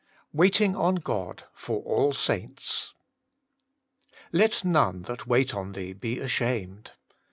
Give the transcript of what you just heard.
WAITING ON GOD: ^ox all Saints* ' Let none that wait on Thee be ashamed.'